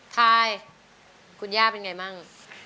ทายคุณย่าเป็นไงมั่ง